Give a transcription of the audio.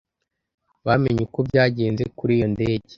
Bamenye uko byagenze kuri iyo ndege